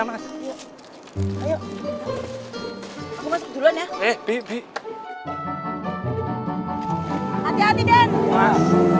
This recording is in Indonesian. hai ayo aku masuk duluan ya eh bibik hati hati den